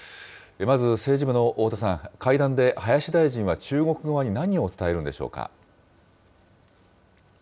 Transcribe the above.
まず政治部の太田さん、会談で林大臣は、中国側に何を伝えるんでしょうか。